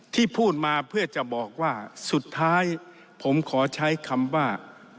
ที่พูดมาเพื่อจะบอกว่าสุดท้ายผมขอใช้คำว่า